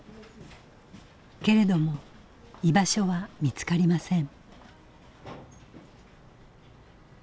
けれども居場所は見つかりません。